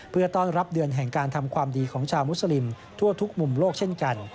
เพื่อต้อนรับเดือนแห่งการทำความดีของชาวมุสลิมทั่วทุกมุมโลกเช่นกัน